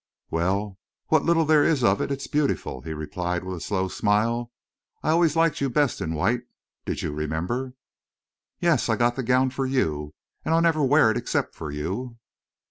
"Well, what little there is of it is beautiful," he replied, with a slow smile. "I always liked you best in white. Did you remember?" "Yes. I got the gown for you. And I'll never wear it except for you."